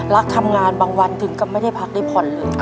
รักทำงานบางวันถึงกับไม่ได้พักได้ผ่อนเลย